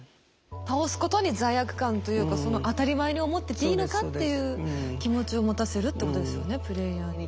倒すことに罪悪感というかその当たり前に思ってていいのかっていう気持ちを持たせるってことですよねプレイヤーに。